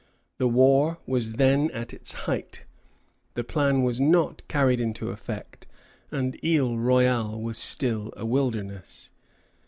The war was then at its height; the plan was not carried into effect, and Isle Royale was still a wilderness.